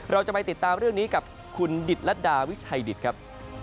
เราจะไปติดตามเรื่องนี้กับคุณดิตรดาวิชัยดิตครับ